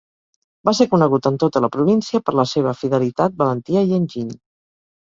Va ser conegut en tota la província per la seva fidelitat, valentia i enginy.